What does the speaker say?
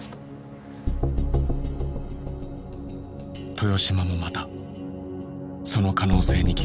豊島もまたその可能性に気が付いていた。